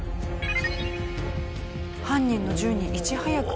犯人の銃にいち早く気づき。